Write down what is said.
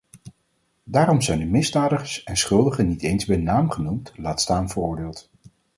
Daarom zijn de misdadigers en schuldigen niet eens bij naam genoemd, laat staan veroordeeld.